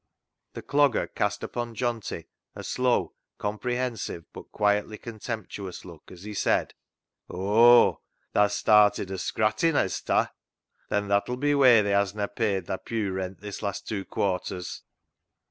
The Clogger cast upon Johnty a slow, compre hensive, but quietly contemptuous look as he said —" Oh, tha's started o' scrattin hez ta ? Then that'll be whey tha hezna paid thy pew rent this last two quarters."